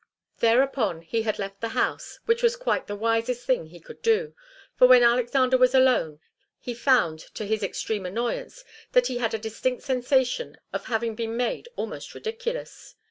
Thereupon he had left the house, which was quite the wisest thing he could do, for when Alexander was alone he found to his extreme annoyance that he had a distinct sensation of having been made almost ridiculous.